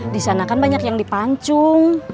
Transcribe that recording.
di sana kan banyak yang dipancung